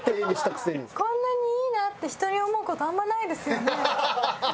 こんなに「いいな」って人に思う事あんまないですよね。